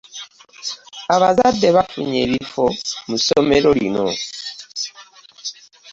Abazade bafunye ebiffo musomero linno.